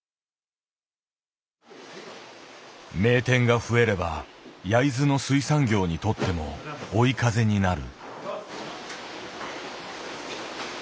名店が増えれば焼津の水産業にとっても追い風になる。